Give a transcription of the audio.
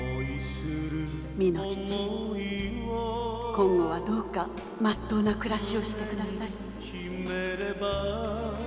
今後はどうかまっとうな暮らしをしてください」